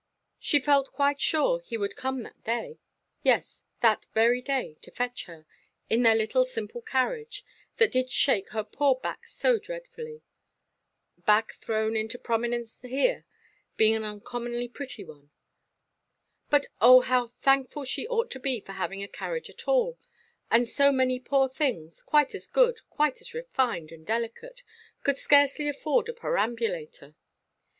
She felt quite sure he would come that day—yes, that very day—to fetch her, in their little simple carriage, that did shake her poor back so dreadfully"—back thrown into prominence here, being an uncommonly pretty one—"but oh, how thankful she ought to be for having a carriage at all, and so many poor things—quite as good, quite as refined, and delicate—could scarcely afford a perambulator!